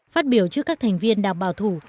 phát biểu trước các thành viên đảng bảo thủ